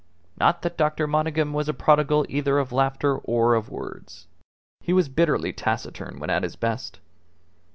Not that Dr. Monygham was a prodigal either of laughter or of words. He was bitterly taciturn when at his best.